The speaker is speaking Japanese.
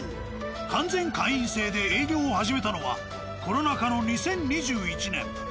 完全会員制で営業を始めたのはコロナ禍の２０２１年。